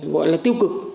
gọi là tiêu cực